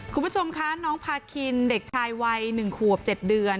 คุณผู้ชมคะน้องพาคินเด็กชายวัย๑ขวบ๗เดือน